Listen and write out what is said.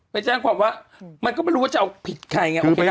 ไปแจ้งความว่ามันก็ไม่รู้ว่าจะเอาผิดใครไงโอเคล่ะ